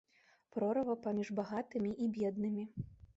Прорва паміж багатымі і беднымі!